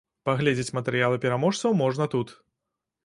Паглядзець матэрыялы пераможцаў можна тут.